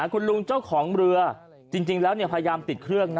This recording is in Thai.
คุณลุงเจ้าของเรือจริงแล้วพยายามติดเครื่องนะ